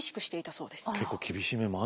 そうですね。